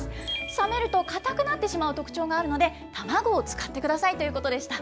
冷めるとかたくなってしまう特徴があるので、卵を使ってくださいということでした。